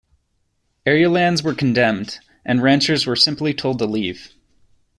Area lands were condemned and ranchers simply told to leave.